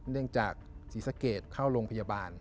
เนื่องจากศรีสะเกดเข้าโรงพยาบาล